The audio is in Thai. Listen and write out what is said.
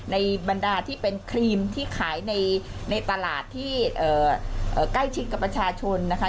บรรดาที่เป็นครีมที่ขายในตลาดที่ใกล้ชิดกับประชาชนนะคะ